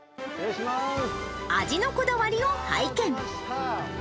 味のこだわりを拝見。